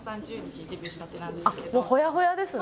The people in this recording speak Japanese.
あっもうほやほやですね。